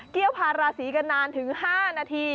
เกี่ยวพาราศีกันนานถึง๕นาที